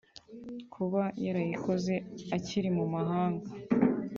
Kuba yarayikoze akiri mu mahanga